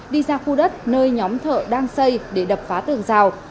đi ra khu đất nơi nhóm thợ đang xây để đập phá tường rào